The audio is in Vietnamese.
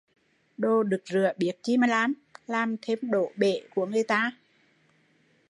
Đồ đực rựa biết chi mà làm, làm thêm đổ bể của người ta